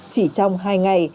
chỉ trong hai ngày